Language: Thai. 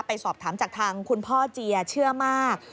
ไปสอบถามจากทางคุณพ่อเจียเชื่อมาก